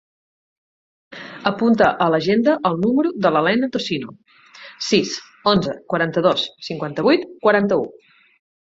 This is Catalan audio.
Apunta a l'agenda el número de la Lena Tocino: sis, onze, quaranta-dos, cinquanta-vuit, quaranta-u.